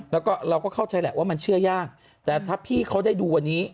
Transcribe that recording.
แล้วก็เราก็เข้าใจแหละว่ามันเชื่อยากแต่ถ้าพี่เขาได้ดูวันนี้